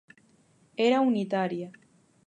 Era unitaria.